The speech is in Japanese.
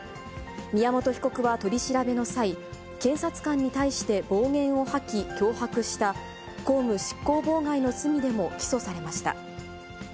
宮本被告は取り調べの際、検察官に対して暴言を吐き脅迫した、公務執行妨害の罪でも起訴されました。